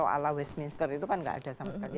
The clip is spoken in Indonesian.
ala westminster itu kan tidak ada sama sekali